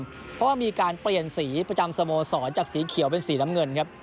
เพราะว่ามีการเปลี่ยนสีประจำสโมสรจากสีเขียวเป็นสีน้ำเงินครับ